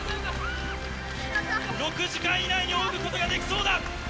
６時間以内に泳ぐことができそうだ！